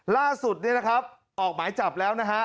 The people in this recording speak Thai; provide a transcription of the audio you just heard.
ล่าสุดออกหมายจับแล้ว